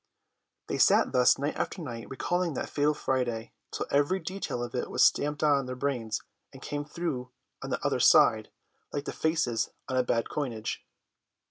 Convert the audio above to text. They sat thus night after night recalling that fatal Friday, till every detail of it was stamped on their brains and came through on the other side like the faces on a bad coinage.